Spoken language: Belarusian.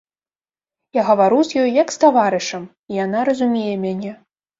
Я гавару з ёй, як з таварышам, і яна разумее мяне.